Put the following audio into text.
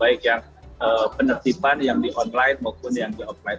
baik yang penertiban yang di online maupun yang di offline